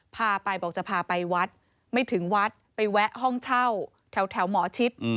พาไปบอกจะพาไปวัดไม่ถึงวัดไปแวะห้องเช่าแถวหมอชิด